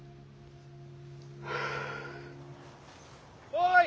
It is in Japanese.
おい！